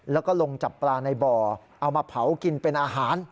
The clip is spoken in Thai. แล้วก็ลงจับปลาในบ่อเอามาเผากินเป็นอาหาร